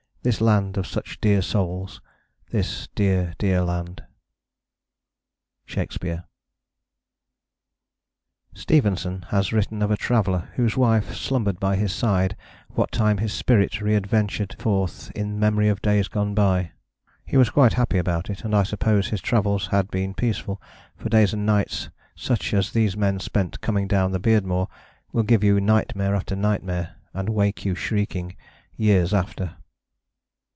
This land of such dear souls, this dear, dear land. SHAKESPEARE. VI. FARTHEST SOUTH Stevenson has written of a traveller whose wife slumbered by his side what time his spirit re adventured forth in memory of days gone by. He was quite happy about it, and I suppose his travels had been peaceful, for days and nights such as these men spent coming down the Beardmore will give you nightmare after nightmare, and wake you shrieking years after.